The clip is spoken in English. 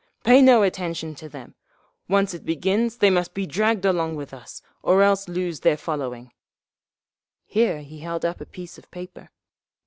Pay no attention to them. Once it begins they must be dragged along with us, or else lose their following…." Here he held up a piece of paper.